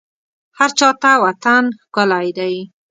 هرچا ته وطن ښکلی دی